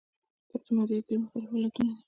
دا د مادې درې مختلف حالتونه دي.